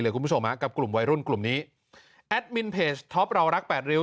คุณผู้ชมฮะกับกลุ่มวัยรุ่นกลุ่มนี้แอดมินเพจท็อปเรารักแปดริ้ว